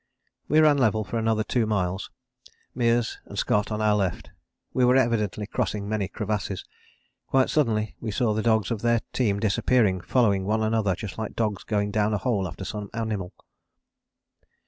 We ran level for another two miles, Meares and Scott on our left. We were evidently crossing many crevasses. Quite suddenly we saw the dogs of their team disappearing, following one another, just like dogs going down a hole after some animal.